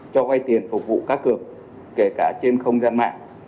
cho vay tiền phục vụ cắt cược kể cả trên không gian mạng